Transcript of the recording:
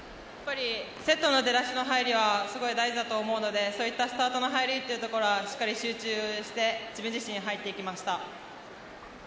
セットの出だしの入りはすごい大事だと思うのでそういったスタートの入りというところはしっかり集中して自分自身、入っていけました。